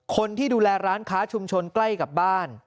คนที่ดูแลร้านค้าชุมชนใกล้กับบ้าน